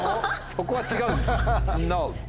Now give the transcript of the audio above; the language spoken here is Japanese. そこは違うんだ。